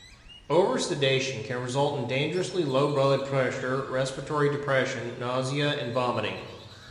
Oversedation can result in dangerously low blood pressure, respiratory depression, nausea, and vomiting.